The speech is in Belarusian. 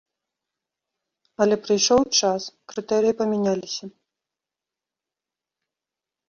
Але прайшоў час, крытэрыі памяняліся.